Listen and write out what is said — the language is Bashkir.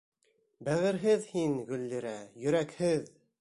Бәғерһеҙ һин, Гөллирә, йөрәкһеҙ!